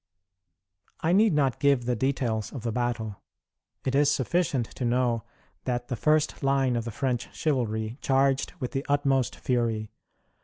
I need not give the details of the battle. It is sufficient to know that the first line of the French chivalry charged with the utmost fury.